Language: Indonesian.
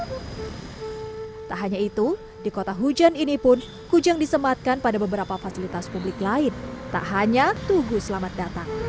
tak hanya itu di kota hujan ini pun kujang disematkan pada beberapa fasilitas publik lain tak hanya tugu selamat datang